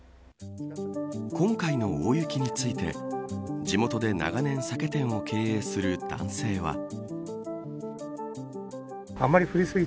今回の大雪について地元で長年酒店を経営する男性は。